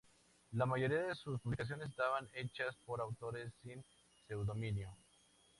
La mayoría de sus publicaciones estaban hechas por autores sin seudónimo.